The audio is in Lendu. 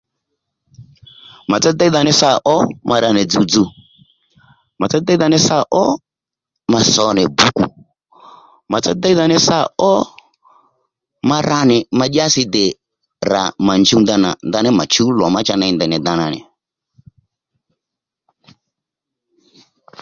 Màtsá déydha ní sâ ó ma ra nì nzuw nzuw màtsá déydha ní sâ ó ma so nì bǔkù màtsá déydha ní sâ ó ma ra nì ma dyási dè rà mà njuw ndanà ndaní mà chǔw lò má cha ney ndèy nì ndanà nì